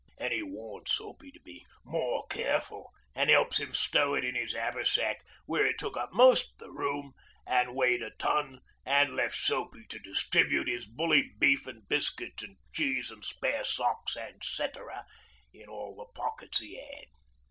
An' 'e warns Soapy to be more careful, and 'elps 'im stow it in 'is 'aversack, where it took up most the room an' weighed a ton, an' left Soapy to distribute 'is bully beef an' biscuits an' cheese an' spare socks and cetera in all the pockets 'e 'ad.